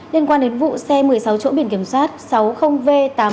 liên quan đến vụ xe một mươi sáu chỗ biển kiểm soát sáu mươi v tám nghìn bốn trăm hai mươi chín